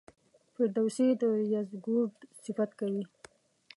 فردوسي د یزدګُرد صفت کوي.